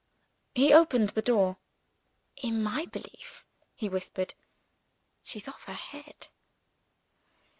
He opened the door. "In my belief," he whispered, "she's off her head."